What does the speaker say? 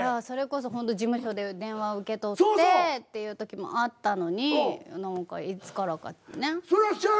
それこそ事務所で電話受け取ってっていう時もあったのに何かいつからかねっ。